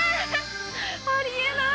ありえない！